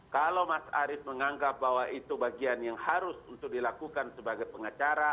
kalau mas arief menganggap bahwa itu bagian yang harus untuk dilakukan sebagai pengacara